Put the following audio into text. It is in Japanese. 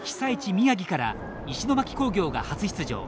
宮城から石巻工業が初出場。